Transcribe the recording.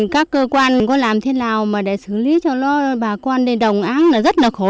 cơ quan có làm thế nào mà để xử lý cho bà quan để đồng án là rất là khổ